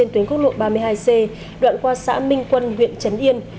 đoạn qua xã minh quân huyện trấn yên